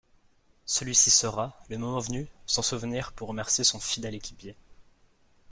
Celui-ci saura, le moment venu, s'en souvenir pour remercier son fidèle équipier.